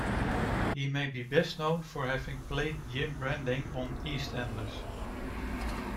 He may be best known for having played Jim Branning on "EastEnders".